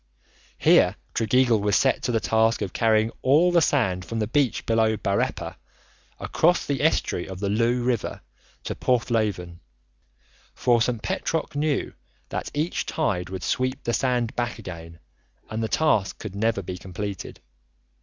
Here Tregeagle was set to the task of carrying all the sand from the beach below Bareppa across the estuary of the Looe river to Porthleven, for St. Petroc knew that each tide would sweep the sand back again and the task could never be completed.